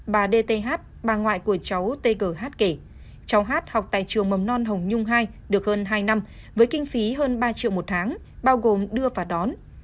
bà đê tê hát bà ngoại của cháu tê cờ hát kể cháu hát học tại trường mầm non hồng nhung ii được hơn hai năm với kinh phí hơn ba triệu một tháng bao gồm đưa và đón